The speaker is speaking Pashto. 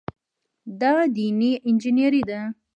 دا دیني انجینیري ده.